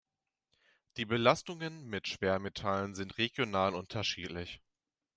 Die Belastungen mit Schwermetallen sind regional unterschiedlich.